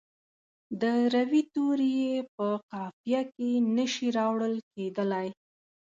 د روي توري یې په قافیه کې نه شي راوړل کیدلای.